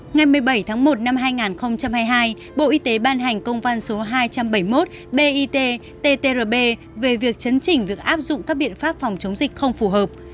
ngày một mươi bảy tháng một năm hai nghìn hai mươi hai bộ y tế ban hành công văn số hai trăm bảy mươi một bit ttrb về việc chấn chỉnh việc áp dụng các biện pháp phòng chống dịch không phù hợp